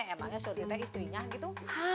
emangnya surti teh istrinya gitu